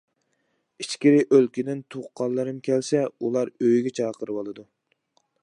ئىچكىرى ئۆلكىدىن تۇغقانلىرىم كەلسە، ئۇلار ئۆيىگە چاقىرىۋالىدۇ.